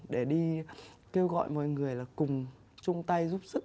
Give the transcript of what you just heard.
để đi kêu gọi mọi người là cùng chung tay giúp sức